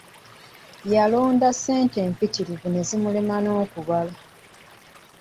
Yalonda ssente mpitirivu ne zimulema n'okubala.